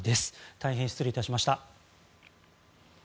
大変失礼いたしました。